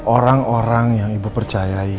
orang orang yang ibu percayai